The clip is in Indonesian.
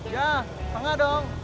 ya setengah dong